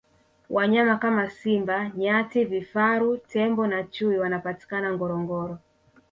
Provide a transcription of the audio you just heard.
wanyama kama simba nyati vifaru tembo na chui wanapatikana ngorongoro